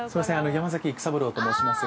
山崎育三郎と申しますが。